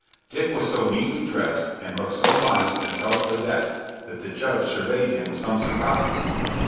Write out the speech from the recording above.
Dick was so neatly dressed, and looked so modest and self possessed, that the judge surveyed him with some surprise.